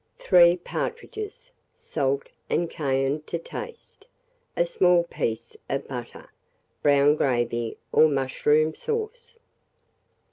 3 partridges, salt and cayenne to taste, a small piece of butter, brown gravy or mushroom sauce.